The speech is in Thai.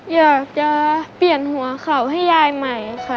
อยากจะเปลี่ยนหัวเข่าให้ยายใหม่ค่ะ